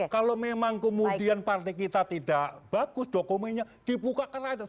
kalau memang kemudian partai kita tidak bagus dokumennya dibuka ke rakyat